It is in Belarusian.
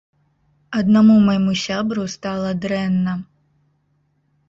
Аднаму майму сябру стала дрэнна.